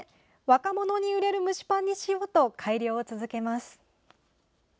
若者に売れる蒸しパンにしようと改良を続けます。